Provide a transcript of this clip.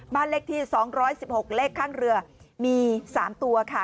บ้านเลขที่๒๑๖เลขข้างเรือมี๓ตัวค่ะ